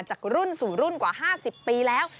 จากรุ่นสู่รุ่นกว่า๕๐ปีแล้ว